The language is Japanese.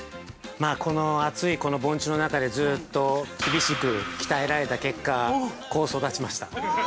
◆この暑い盆地の中でずっと厳しく鍛えられた結果こう育ちました。